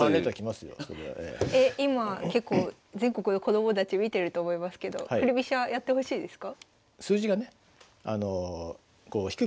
今結構全国の子どもたち見てると思いますけど振り飛車やってほしいですか？